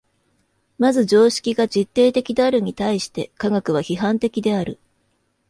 まず常識が実定的であるに対して科学は批判的である。